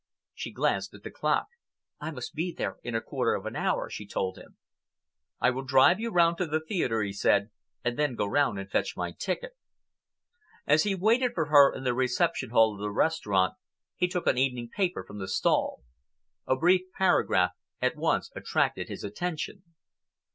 She glanced at the clock. "I must be there in a quarter of an hour," she told him. "I will drive you to the theatre," he said, "and then go round and fetch my ticket." As he waited for her in the reception hall of the restaurant, he took an evening paper from the stall. A brief paragraph at once attracted his attention.